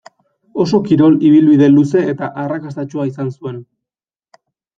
Oso kirol ibilbide luze eta arrakastatsua izan zuen.